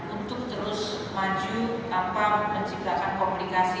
untuk terus maju tanpa menciptakan komunikasi